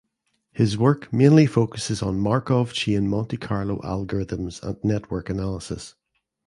His work mainly focuses on Markov chain Monte Carlo algorithms and network analysis.